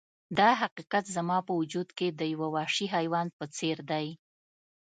دا حقیقت زما په وجود کې د یو وحشي حیوان په څیر دی